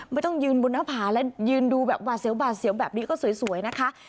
ไม่ต้องยืนบนหน้าผาและยืนดูแบบวาเสียวแบบนี้ก็สวยนะคะ